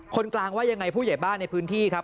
คนกลางว่ายังไงผู้ใหญ่บ้านในพื้นที่ครับ